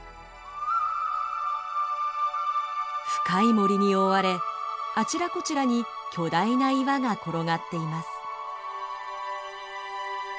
深い森に覆われあちらこちらに巨大な岩が転がっています。